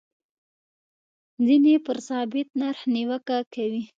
ځینې پر ثابت نرخ نیوکه کوي.